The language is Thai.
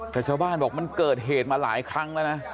แต่เจ้าบ้านก็เป็นเกิดเหตุมาหลายครั้งและนะ